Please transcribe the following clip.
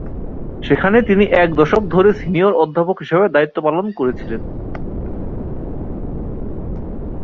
সেখানে তিনি এক দশক ধরে সিনিয়র অধ্যাপক হিসাবে দায়িত্ব পালন করেছিলেন।